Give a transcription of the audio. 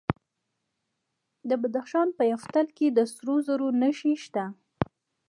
د بدخشان په یفتل کې د سرو زرو نښې شته.